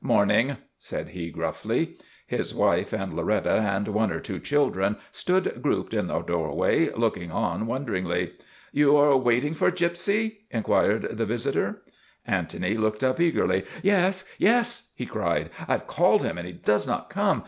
" Morning," said he, gruffly. His wife and Lor etta and one or two children stood grouped in the doorway, looking on wonderingly. You are waiting for Gypsy? " inquired the visi tor. Antony looked up eagerly. " Yes, yes !" he cried, " I have called him and he does not come.